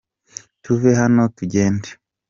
Tuve hano tugende.